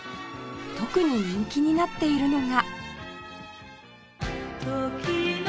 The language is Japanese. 特に人気になっているのが